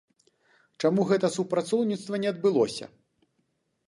Чаму гэта супрацоўніцтва не адбылося?